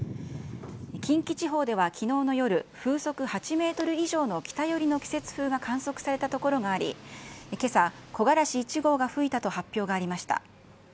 近畿地方ではきのうの夜、風速８メートル以上の北寄りの季節風が観測された所があり、けさ、木枯らし１号が吹いたと発表がありました。